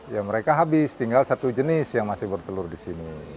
ya mereka habis tinggal satu jenis yang masih bertelur di sini